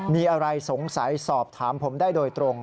มีอะไรสงสัยสอบถามผมได้โดยตรง